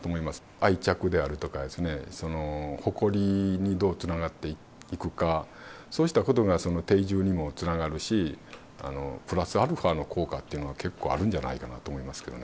愛着であるとかですね、その誇りにどうつながっていくか、そうしたことが定住にもつながるし、プラスアルファの効果というのが結構あるんじゃないかなと思いますけどね。